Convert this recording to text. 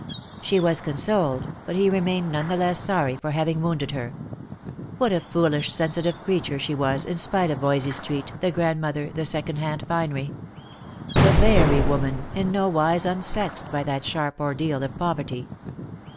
She was consoled, but he remained none the less sorry for having wounded her. What a foolish sensitive creature she was, in spite of Voysey street, the grandmother, the second hand finery ! A very woman, in no wise unsexed by that sharp ordeal of poverty.